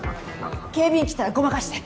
警備員来たらごまかして。